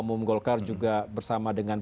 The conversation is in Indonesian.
umum golkar juga bersama dengan